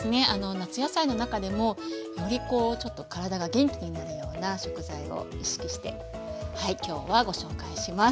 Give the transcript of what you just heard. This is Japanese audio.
夏野菜の中でもよりこうちょっと体が元気になるような食材を意識して今日はご紹介します。